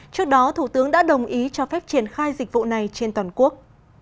trước đó thủ tướng đã đồng ý cho phép triển khai dịch vụ này trên toàn quốc